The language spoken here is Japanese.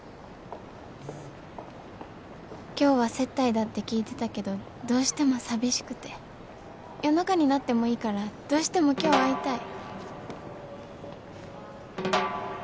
「今日は接待だって聞いてたけどどうしても寂しくて夜中になってもいいからどうしても今日会いたい」。